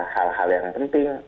hal hal yang penting